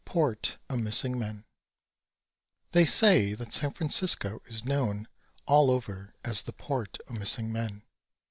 Port O'Missing Men They say that San Francisco is known all over as the Port o' Missing Men.